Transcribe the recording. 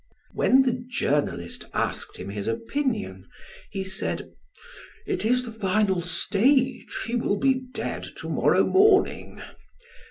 When the journalist asked him his opinion, he said: "It is the final stage. He will be dead to morrow morning.